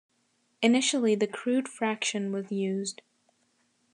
Initially the crude fraction was used.